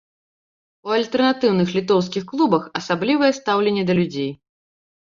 У альтэрнатыўных літоўскіх клубах асаблівае стаўленне да людзей.